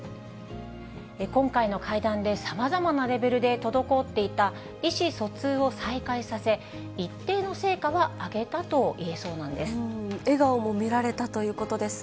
今回の会談でさまざまなレベルで滞っていた意思疎通を再開させ、一定の成果は上げたと言えそうなんです。